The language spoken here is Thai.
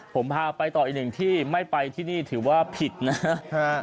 ผมพาไปต่ออีกหนึ่งที่ไม่ไปที่นี่ถือว่าผิดนะฮะ